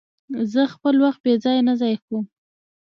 زه خپل وخت بې ځایه نه ضایع کوم.